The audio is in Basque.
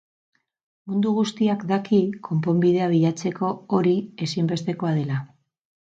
Mundu guztiak daki konponbidea bilatzeko hori ezinbestekoa dela.